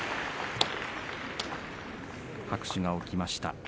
拍手が起きました。